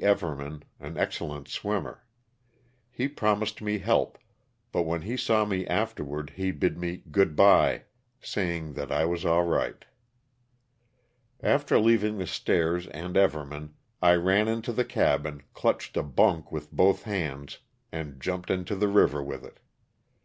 Everman, an excellent swimmer. He promised me help, but when he saw me afterward he bid me *'good bye," say ing that I was all right. After leaving the stairs and Everman I ran into the cabin, clutched a bunk with both hands and jumped into the river with it.